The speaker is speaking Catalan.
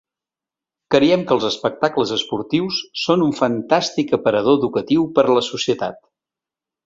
Creiem que els espectacles esportius són un fantàstic aparador educatiu per a la societat.